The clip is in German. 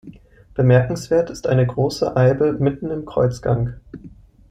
Bemerkenswert ist eine große Eibe mitten im Kreuzgang.